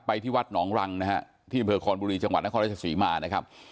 ที่วัดหนองรังนะฮะที่อำเภอคอนบุรีจังหวัดนครราชศรีมานะครับ